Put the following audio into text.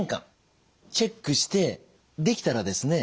チェックしてできたらですね